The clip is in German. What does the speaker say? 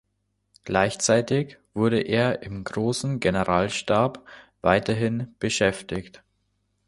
Gleichzeitig wurde er im Großen Generalstab weiterhin beschäftigt.